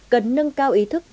cần nâng cao ý thức